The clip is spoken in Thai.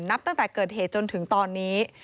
นับตั้งแต่เกิดเหตุจนถึงตอนนี้